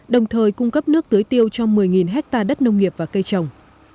đồng thời cung cấp nước tưới tiêu cho một mươi hectare đất nông nghiệp và cây trồng